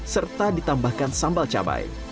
serta ditambahkan sambal cabai